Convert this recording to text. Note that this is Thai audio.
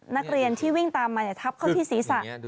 นักเรียนที่วิ่งตามมาทับเข้าที่ศีรษะ